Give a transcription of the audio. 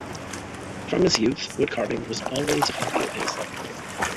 From his youth, woodcarving was always a hobby of his.